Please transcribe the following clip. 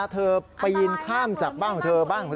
เธอไปยืนข้ามจากบ้านของของเธอ